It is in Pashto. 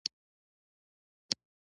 افغانان خپل سر باندې سر نه مني.